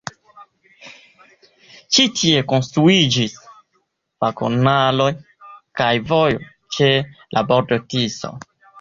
Ĉi tie konstruiĝis vagonaro kaj vojo ĉe la bordo Tiso.